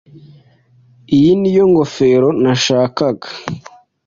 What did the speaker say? Iyi niyo ngofero nashakaga.